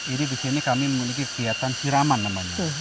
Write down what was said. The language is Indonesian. ini disini kami memiliki kegiatan siraman namanya